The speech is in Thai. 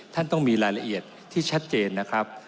ท่านต้องมีรายละเอียดที่ชัดเจนนะครับ